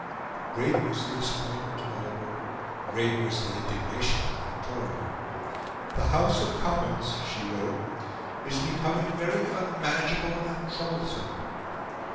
Great was the disappointment of Albert; great was the indignation of Victoria. "The House of Commons," she wrote, "is becoming very unmanageable and troublesome."